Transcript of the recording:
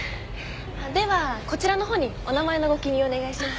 ではこちらのほうにお名前のご記入をお願いします。